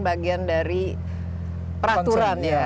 bagian dari peraturan